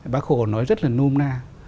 bác hồ nói rất là nôm na